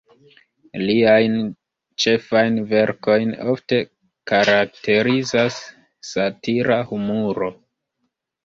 Liajn ĉefajn verkojn ofte karakterizas satira humuro.